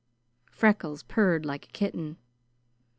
Freckles purred like a kitten.